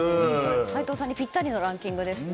斉藤さんにピッタリのランキングですね。